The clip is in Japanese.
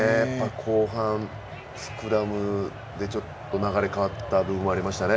後半、スクラムでちょっと流れが変わった部分もありましたね。